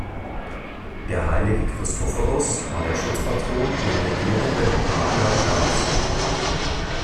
Der heilige Christophorus war der Schutzpatron der regierenden Haager Grafen.